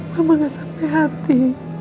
mama gak sampai hati